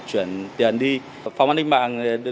chuyển tiền đi phòng an ninh mạng